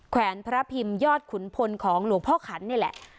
แวนพระพิมพ์ยอดขุนพลของหลวงพ่อขันนี่แหละ